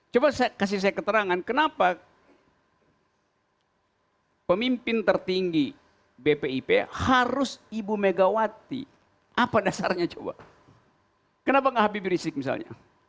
coba kasih saya keterangan kenapa pemimpin tertinggi bpip harus ibu megawati apa dasarnya coba kenapa bang habib rizik misalnya